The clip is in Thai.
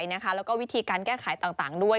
แล้วก็วิธีการแก้ไขต่างด้วย